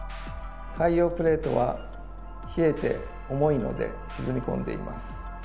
海洋プレートは冷えて重いので沈み込んでいます。